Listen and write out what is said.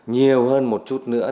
nhiều hơn một chút nữa